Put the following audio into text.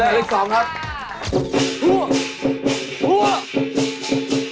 อีกสองครับ